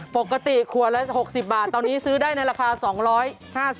ปกติขวดละ๖๐บาทตอนนี้ซื้อได้ในราคา๒๕๐บาท